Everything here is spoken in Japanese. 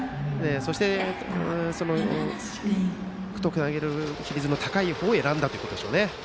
そして、得点を挙げられる比率の高い方を選んだということですね。